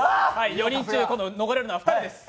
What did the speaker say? ４人中残れるのは２人です。